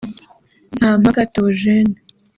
Ntampaka Theogene